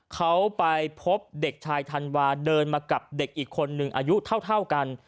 เขาไปพบเด็กชายธันวาเดินมากับเด็กอีกคนนึงอายุเท่ากัน